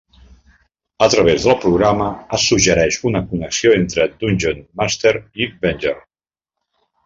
A través del programa, es suggereix una connexió entre Dungeon Master i Venger.